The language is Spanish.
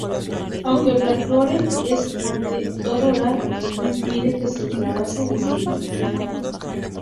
Aunque el folclore es ante todo oral, no impide que se trasvase al escrito.